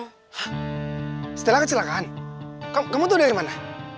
hah stella kecelakaan kamu tuh dari mana